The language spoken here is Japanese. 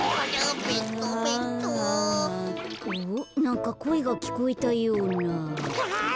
なんかこえがきこえたような。